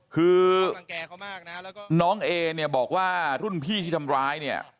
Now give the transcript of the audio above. คือน้องเอเนี่ยบอกว่ารุ่นพี่ที่ทำร้ายเนี่ย